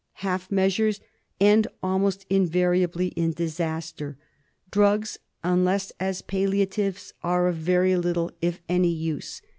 Half measures end almost invariably in disaster. Drugs, unless as palliatives, are of very little, if any use.